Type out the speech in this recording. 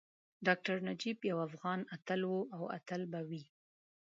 ډاکټر نجیب یو افغان اتل وو او تل به وي